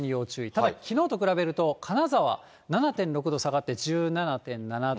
ただ、きのうと比べると、金沢７．６度下がって１７．７度。